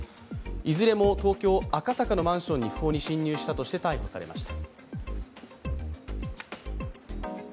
いずれも東京・赤坂のマンションに不法に侵入したとして逮捕されました。